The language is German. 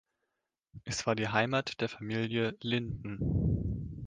Es war die Heimat der Familie Lyndon.